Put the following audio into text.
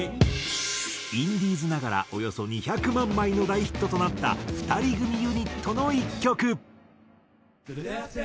インディーズながらおよそ２００万枚の大ヒットとなった２人組ユニットの１曲。